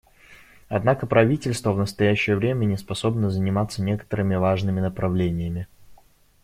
Однако правительство в настоящее время не способно заниматься некоторыми важными направлениями.